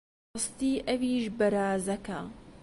ڕاستی ئەویش بەرازەکە!